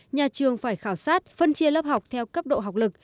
nhà trường phải khảo sát phân chia lớp học theo cấp độ học lực